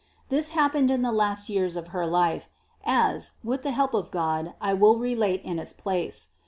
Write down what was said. This hap pened in the last years of her life, as, with the help of God, I will relate in its place.